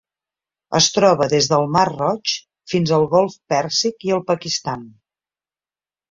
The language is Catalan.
Es troba des del Mar Roig fins al Golf Pèrsic i el Pakistan.